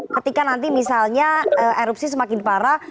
ketika nanti misalnya erupsi semakin parah